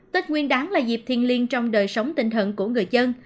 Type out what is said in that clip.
tết nguyên đáng là dịp thiên liên trong đời sống tinh thần của người dân